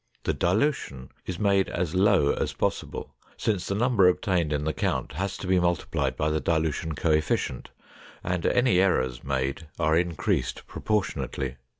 The dilution is made as low as possible, since the number obtained in the count has to be multiplied by the dilution co efficient, and any errors made are increased proportionately.